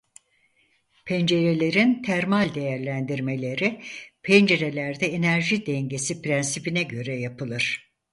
Pencerelerin termal değerlendirmeleri pencerelerde enerji dengesi prensibine göre yapılır.